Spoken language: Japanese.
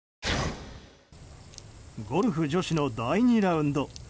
ゴルフ女子の第２ラウンド。